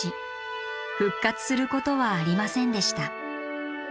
復活することはありませんでした。